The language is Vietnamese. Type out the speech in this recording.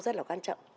rất là quan trọng